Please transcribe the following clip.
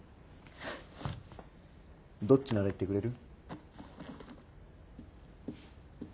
ハハどっちなら行ってくれる？